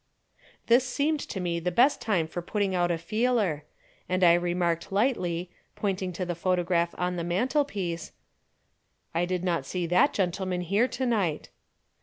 This seemed to me the best time for putting out a feeler, and I remarked lightly, pointing to the photograph on the mantelpiece, "I did not see that gentleman here to night."